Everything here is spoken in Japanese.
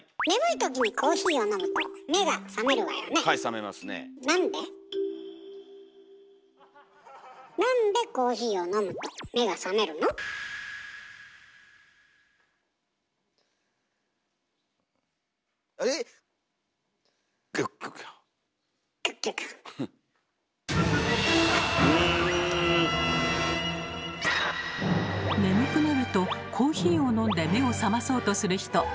眠くなるとコーヒーを飲んで目を覚まそうとする人多いですよねえ。